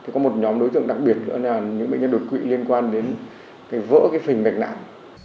có một nhóm đối tượng đặc biệt là những bệnh nhân đột quỵ liên quan đến vỡ phình mạch nạn